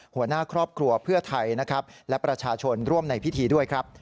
หัวหน้าครอบครัวเพื่อไทยนะครับและประชาชนร่วมในพิธีด้วยครับ